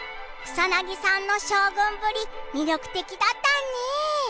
草なぎさんの将軍ぶり、魅力的だったね！